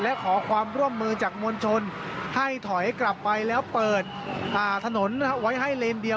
และขอความร่วมมือจากมวลชนให้ถอยกลับไปแล้วเปิดถนนไว้ให้เลนเดียว